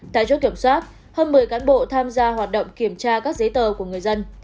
tại chốt kiểm soát hơn một mươi cán bộ tham gia hoạt động kiểm tra các giấy tờ của người dân